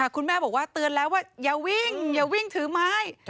คุณแม่บอกว่าเตือนแล้วว่าอย่าวิ่งอย่าวิ่งถือไม้